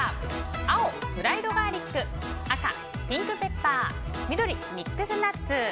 青、フライドガーリック赤、ピンクペッパー緑、ミックスナッツ。